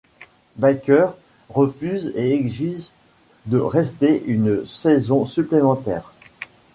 Baker refuse et exige de rester une saison supplémentaire.